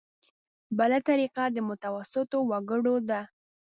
بله طریقه د متوسطو وګړو ده.